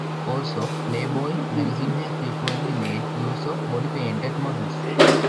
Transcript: Also "Playboy" magazine has frequently made use of body painted models.